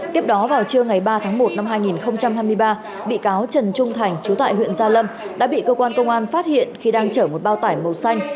tiếp đó vào trưa ngày ba tháng một năm hai nghìn hai mươi ba bị cáo trần trung thành chú tại huyện gia lâm đã bị cơ quan công an phát hiện khi đang chở một bao tải màu xanh